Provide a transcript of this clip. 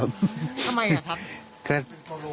ทำไมครับ